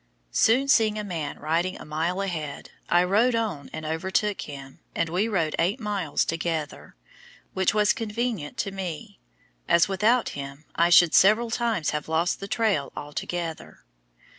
Soon seeing a man riding a mile ahead, I rode on and overtook him, and we rode eight miles together, which was convenient to me, as without him I should several times have lost the trail altogether.